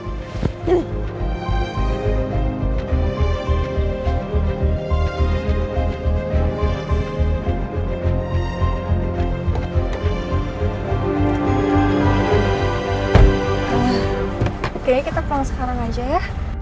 oke kita pulang sekarang aja ya